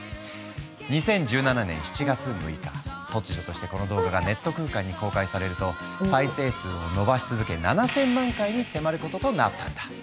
２０１７年７月６日突如としてこの動画がネット空間に公開されると再生数を伸ばし続け７，０００万回に迫ることとなったんだ。